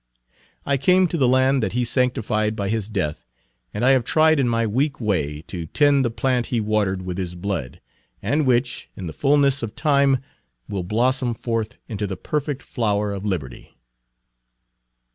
I came to the land that he sanctified by his death, and I have tried in my weak way to tend the plant he watered with his blood, and which, in the fullness of time, will blossom forth into the perfect flower of liberty."